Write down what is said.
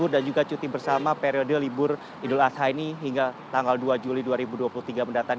dan juga cuti bersama periode libur idul adha ini hingga tanggal dua juli dua ribu dua puluh tiga mendatang